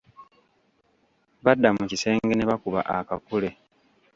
Badda mu kisenge ne bakuba akakule.